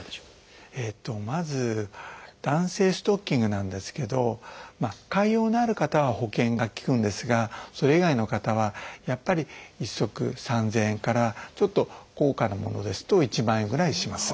まず弾性ストッキングなんですけど潰瘍のある方は保険が利くんですがそれ以外の方はやっぱり１足３，０００円からちょっと高価なものですと１万円ぐらいします。